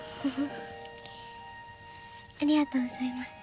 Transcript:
ありがとうございます。